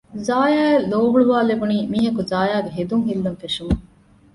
ޒާޔާއަށް ލޯހުޅުވާލެވުނީ މީހަކު ޒާޔާގެ ހެދުން ހިއްލަން ފެށުމުން